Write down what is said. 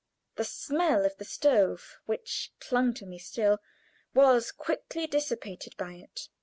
The smell of the stove, which clung to me still, was quickly dissipated by it.